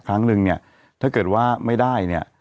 ครั้งนึงเนี่ยถ้าเกิดว่าไม่ได้เนี่ย